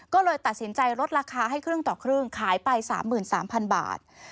ก็เลยตัดสินใจลดราคาให้ครึ่งต่อครึ่งขายไป๓๓๐๐๐บาท